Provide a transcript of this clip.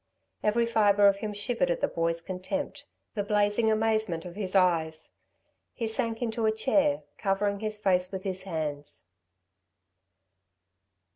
Every fibre of him shivered at the boy's contempt, the blazing amazement of his eyes. He sank into a chair, covering his face with his hands.